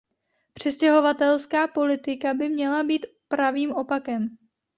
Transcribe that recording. Přistěhovalecká politika by měla být pravým opakem.